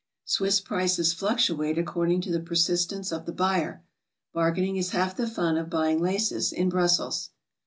Swiss prices fluctuate according to 'the persistence of the buyer. Bargaining is half the fun of buying laces in Brussels.